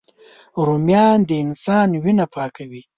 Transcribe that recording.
رومیان د انسان وینه پاکوي